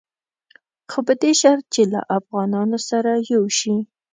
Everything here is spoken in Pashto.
خو په دې شرط چې له افغانانو سره یو شي.